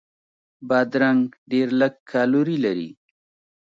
بادرنګ ډېر لږ کالوري لري.